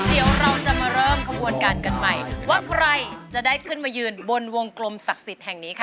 เดี๋ยวเราจะมาเริ่มขบวนการกันใหม่ว่าใครจะได้ขึ้นมายืนบนวงกลมศักดิ์สิทธิ์แห่งนี้ค่ะ